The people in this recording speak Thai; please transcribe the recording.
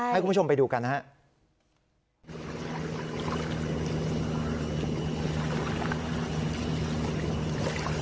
ให้คุณผู้ชมไปดูกันนะครับ